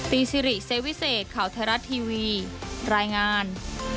ซิริเซวิเศษข่าวไทยรัฐทีวีรายงาน